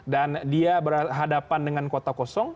dan dia berhadapan dengan kota kosong